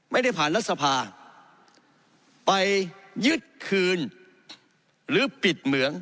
ไม่ได้ผ่านรัฐสภาไปยึดคืนหรือปิดเหมือง